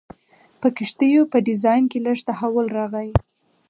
په کښتیو په ډیزاین کې لږ تحول راغی.